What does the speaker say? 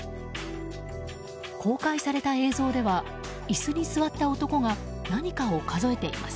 公開された映像では椅子に座った男が何かを数えています。